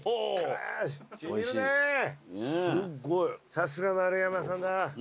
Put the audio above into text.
さすが丸山さんだ。